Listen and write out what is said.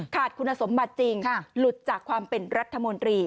ขาดคุณสมบัติจริงหลุดจากความเป็นรัฐมนตรี